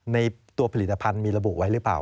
ในตัวผลิตภัณฑ์มีระบุไว้หรือเปล่า